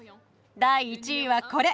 第１位はこれ。